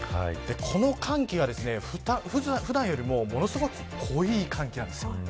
この寒気が、普段よりもものすごく濃い寒気なんですよ。